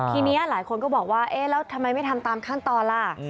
ทีนี้หลายคนก็บอกว่าเอ๊ะแล้วทำไมไม่ทำตามขั้นตอนล่ะ